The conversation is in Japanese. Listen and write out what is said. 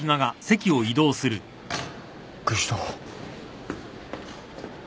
びっくりした。